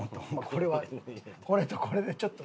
これはこれとこれでちょっと。